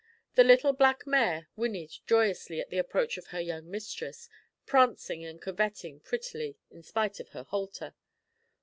The little black mare whinnied joyously at the approach of her young mistress, prancing and curvetting prettily in spite of her halter.